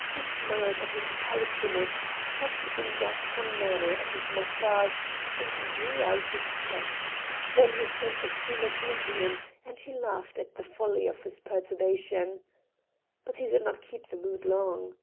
He smiled at his pallid image, tugged in Gascon manner at his moustache, and threw out his chest; then his sense of humour came to him, and he laughed at the folly of his perturbation. But he did not keep the mood long.